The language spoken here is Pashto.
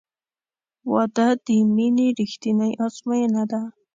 • واده د مینې رښتینی ازموینه ده.